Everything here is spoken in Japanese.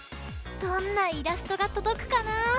どんなイラストがとどくかな！